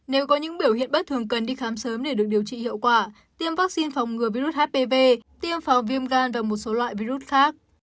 nếu có những biểu hiện bất thường cần đi khám sớm để được điều trị hiệu quả tiêm vaccine phòng ngừa virus hpv tiêm phòng viêm gan và một số loại virus khác